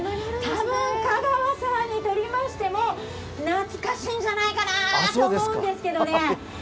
多分、香川さんにとりましても懐かしいんじゃないかなと思うんですけどもね。